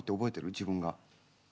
自分が。